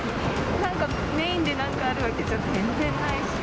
なんか、メインでなんかあるわけじゃ全然ないし。